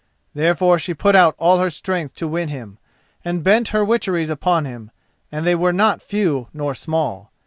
Therefore she put out all her strength to win him, and bent her witcheries upon him, and they were not few nor small.